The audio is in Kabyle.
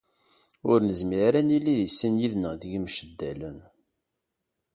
Ur nezmir ara ad nili deg sin yid-neɣ deg Imecdalen.